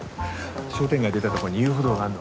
商店街出たとこに遊歩道があんの